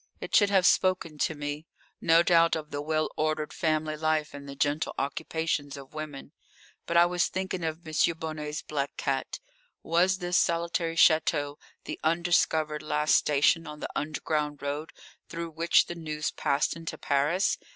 It should have spoken to me, no doubt, of the well ordered family life and the gentle occupations of women. But I was thinking of M. Bonnet's black cat. Was this solitary château the undiscovered last station on the underground road through which the news passed into Paris?